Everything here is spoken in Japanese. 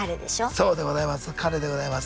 そうでございます